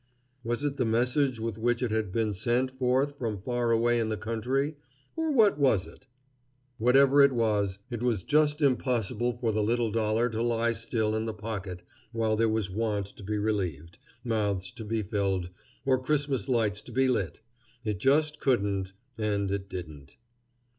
Was it the message with which it had been sent forth from far away in the country, or what was it? Whatever it was, it was just impossible for the little dollar to lie still in the pocket while there was want to be relieved, mouths to be filled, or Christmas lights to be lit. It just couldn't, and it didn't.